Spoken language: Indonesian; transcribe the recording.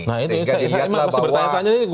nah ini saya masih bertanya tanya